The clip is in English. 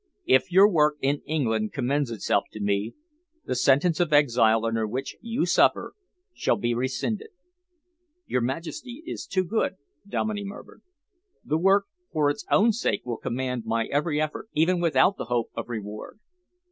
If your work in England commends itself to me, the sentence of exile under which you suffer shall be rescinded." "Your Majesty is too good," Dominey murmured. "The work, for its own sake, will command my every effort, even without the hope of reward."